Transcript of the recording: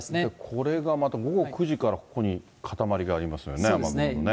これがまた、午後９時からここにかたまりがありますね、雨雲のね。